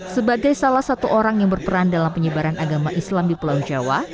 sebagai salah satu orang yang berperan dalam penyebaran agama islam di pulau jawa